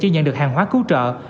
chưa nhận được hàng hóa cứu trợ